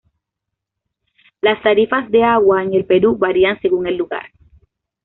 Las tarifas de agua en el Perú varían según el lugar.